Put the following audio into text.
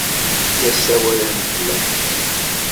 La ssawalen fell-ak.